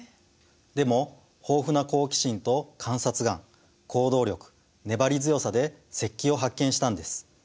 でも豊富な好奇心と観察眼行動力粘り強さで石器を発見したんです。